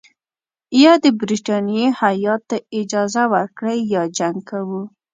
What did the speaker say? یا د برټانیې هیات ته اجازه ورکړئ یا جنګ کوو.